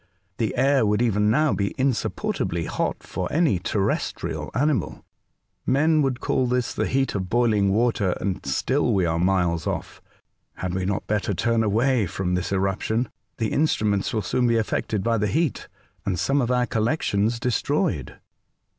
The air would even now be insupportably hot to any terrestrial animal. Men would call this the heat of boiling water, and still we are miles off. Had we not better turn away from this eruption ? The instruments will soon be affected by the heat, and some of our collec tions destroyed.''